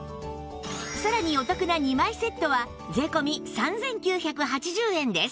さらにお得な２枚セットは税込３９８０円です